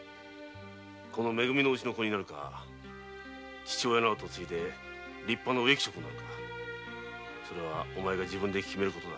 このめ組の家の子になるかそれとも父親の跡を継いで立派な植木職になるかそれはお前が自分で決めることだ。